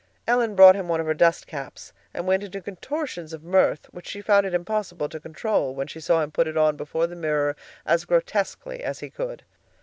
Ellen brought him one of her dust caps, and went into contortions of mirth, which she found it impossible to control, when she saw him put it on before the mirror as grotesquely as he could.